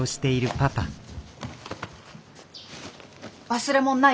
忘れ物ない？